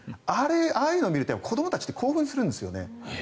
ああいうのを見ると子どもたちって興奮するんですよね。